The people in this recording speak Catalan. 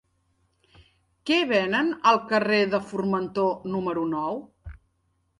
Què venen al carrer de Formentor número nou?